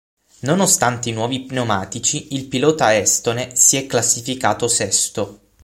Nonostante i nuovi pneumatici, il pilota estone si è classificato sesto.